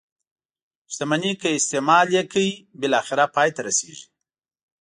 شتمني که استعمال یې کړئ بالاخره پای ته رسيږي.